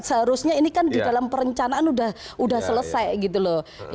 seharusnya ini kan di dalam perencanaan sudah selesai gitu loh